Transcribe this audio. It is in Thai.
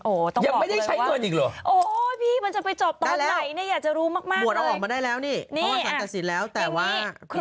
โอ้ยต้องบอกเลยว่ายังไม่ได้ใช้เงินอีกเหรอ